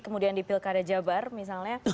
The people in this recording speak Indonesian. kemudian di pilkada jabar misalnya